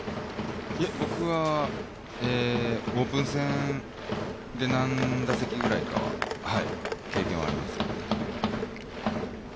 僕はオープン戦で何打席ぐらいか、経験はあります。